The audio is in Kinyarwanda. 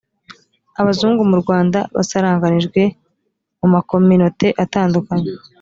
abazungu mu rwanda basaranganijwe mu makominote atandukanye